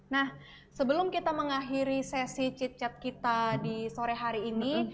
nah sebelum kita mengakhiri sesi chicat kita di sore hari ini